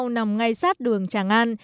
đoạn đường tràng an